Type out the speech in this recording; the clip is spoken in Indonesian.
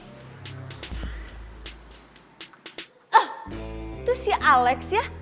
itu si alex ya